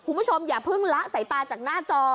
คุณผู้ชมอย่าเพิ่งละสายตาจากหน้าจอ